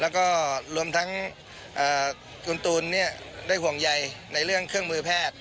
แล้วก็รวมทั้งคุณตูนได้ห่วงใยในเรื่องเครื่องมือแพทย์